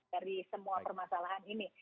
dari semua permasalahan ini